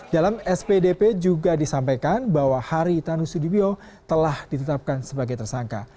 dalam spdp juga disampaikan bahwa haritanu sudibyo telah ditetapkan sebagai tersangka